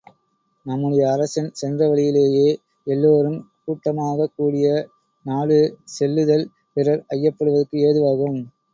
நம்முடைய அரசன் சென்ற வழியிலேயே எல்லோரும் கூட்டமாகக்கூடிய நாடு செல்லுதல், பிறர் ஐயப்படுதற்கு ஏதுவாகும்.